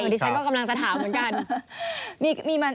ดิฉันก็กำลังจะถามเหมือนกัน